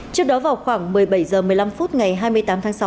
trước đó vào khoảng một mươi bảy h một mươi năm phút ngày hai mươi tám tháng sáu